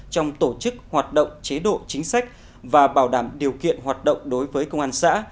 trong tổ chức hoạt động chế độ chính sách và bảo đảm điều kiện hoạt động đối với công an xã